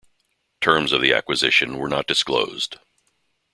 Terms of the acquisition were not disclosed.